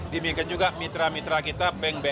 dimiliki juga mitra mitra kita bank bank